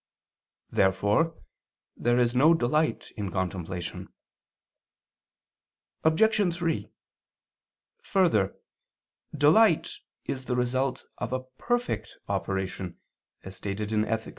Therefore there is no delight in contemplation. Obj. 3: Further, delight is the result of a perfect operation, as stated in _Ethic.